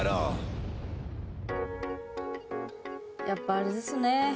やっぱあれですね。